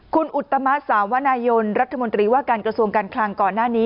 คุณอุตมะสาวนายนรัฐมนตรีว่าการกระทรวงการคลังก่อนหน้านี้